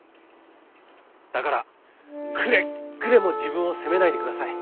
だからくれぐれも自分を責めないでください。